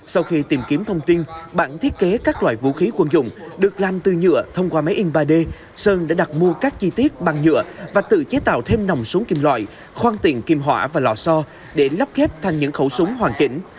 sau khi tìm kiếm thông tin bản thiết kế các loại vũ khí quân dụng được làm từ nhựa thông qua máy in ba d sơn đã đặt mua các chi tiết bằng nhựa và tự chế tạo thêm nòng súng kim loại khoan tiện kim hỏa và lò so để lắp kép thành những khẩu súng hoàn chỉnh